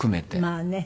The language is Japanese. まあね。